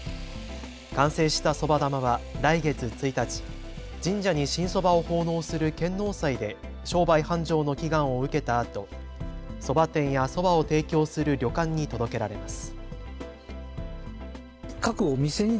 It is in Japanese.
完成したそば玉は来月１日、神社に新そばを奉納する献納祭で商売繁盛の祈願を受けたあとそば店やそばを提供する旅館に届けられます。